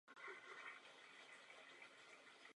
Tento účinek, paní komisařko, bude pravděpodobně nadále trvat.